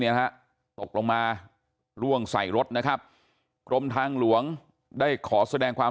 นะฮะตกลงมาล่วงใส่รถนะครับกรมทางหลวงได้ขอแสดงความ